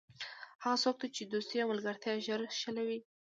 هغه څوک چې دوستي او ملګرتیا ژر شلوي.